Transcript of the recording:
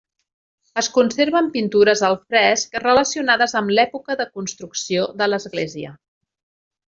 Es conserven pintures al fresc relacionades amb l'època de construcció de l'església.